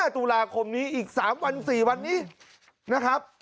ตุลาคมนี้อีก๓วัน๔วันนี้นะครับ